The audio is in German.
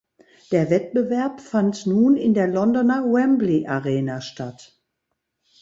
Der Wettbewerb fand nun in der Londoner Wembley Arena statt.